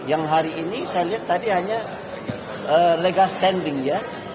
yang hari ini saya lihat tadi hanya legal standing ya